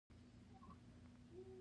شپې ورځې کښېوتلې.